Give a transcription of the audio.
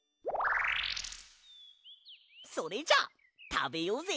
それじゃたべようぜ！